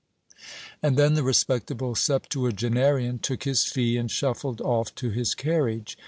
And then the respectable septuagenarian took his fee, and shuffled off to his carriage.